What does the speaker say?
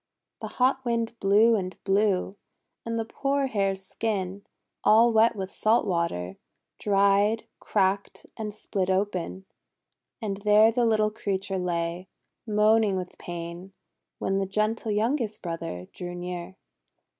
The hot Wind blew and blew, and the poor Hare's skin, all wet with salt water, dried, cracked, and split open. And there the little creature lay, moaning with pain, when the gentle youngest brother drew near.